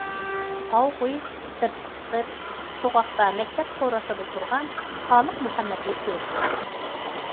تاۋ خۇي سىرتقا چىقىپ، سوغۇقتا مەكتەپ قورۇسىدا تۇرغان خالىق مۇھەممەدنى كۆردى.